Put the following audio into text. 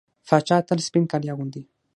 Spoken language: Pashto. پاچا تل سپين کالي اغوندي .